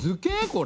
これ。